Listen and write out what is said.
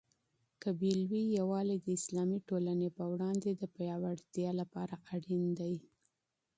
قبیلوي اتحاد د اسلامي ټولني په وړاندي د پياوړتیا لپاره اړین دی.